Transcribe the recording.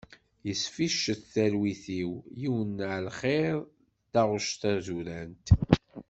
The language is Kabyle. Yesficcet talwit-iw yiwen n ɛelxir s taɣec d tazurant.